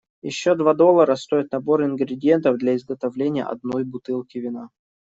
Ещё два доллара стоит набор ингредиентов для изготовления одной бутылки вина.